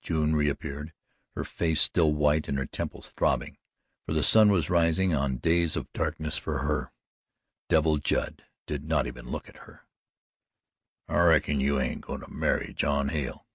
June reappeared, her face still white and her temples throbbing, for the sun was rising on days of darkness for her. Devil Judd did not even look at her. "I reckon you ain't goin' to marry John Hale."